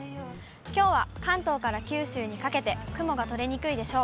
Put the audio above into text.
きょうは関東から九州にかけて雲が取れにくいでしょう。